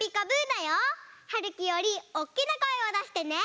だよ。はるきよりおっきなこえをだしてね。